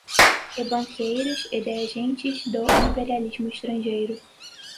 e banqueiros e de agentes do imperialismo estrangeiro